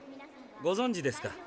ご存じですか？